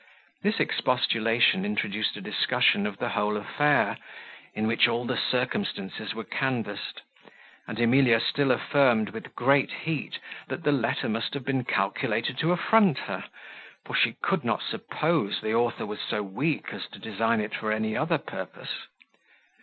This expostulation introduced a discussion of the whole affair, in which all the circumstances were canvassed; and Emilia still affirmed, with great heat, that the letter must have been calculated to affront her; for she could not suppose the author was so weak as to design it for any other purpose.